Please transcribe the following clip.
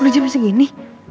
udah jam segini